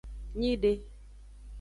Nyide.